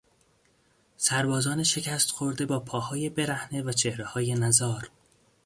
سربازان شکست خورده با پاهای برهنه و چهرههای نزار